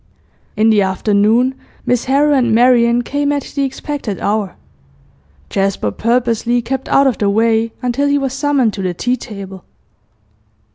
In the afternoon, Miss Harrow and Marian came at the expected hour. Jasper purposely kept out of the way until he was summoned to the tea table.